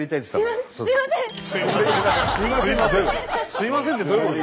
「すいません」ってどういうこと。